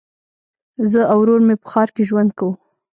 زه او ورور مي په ښار کي ژوند کوو.